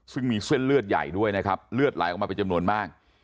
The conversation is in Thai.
ซึ่งมีเส้นเลือดใหญ่ด้วยนะครับเลือดไหลออกมาเป็นจำนวนมาก